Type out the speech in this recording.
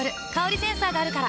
センサーがあるから。